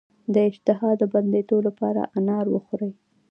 د اشتها د بندیدو لپاره انار وخورئ